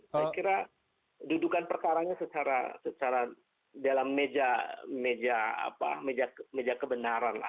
saya kira dudukan perkaranya secara dalam meja kebenaran